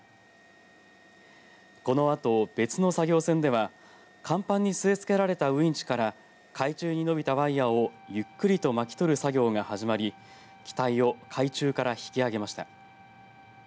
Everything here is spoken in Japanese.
このあと別の作業船では甲板に据え付けられたウインチから海中に伸びたワイヤーをゆっくりと巻き取る作業が始まり機体を海中から引きあげました。